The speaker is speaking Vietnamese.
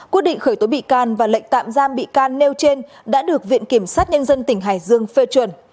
quyết định khởi tố bị can và lệnh tạm giam bị can nêu trên đã được viện kiểm sát nhân dân tỉnh hải dương phê chuẩn